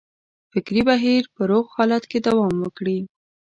فکري بهیر په روغ حالت کې دوام وکړي.